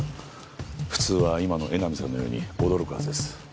普通は今の江波さんのように驚くはずです。